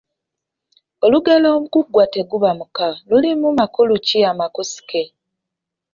Olugero ‘Oguggwa teguba muka’ lulimu makulu ki amakusike?